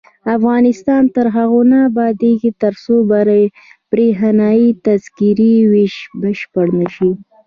افغانستان تر هغو نه ابادیږي، ترڅو بریښنايي تذکرې ویش بشپړ نشي.